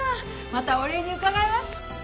またお礼に伺いま。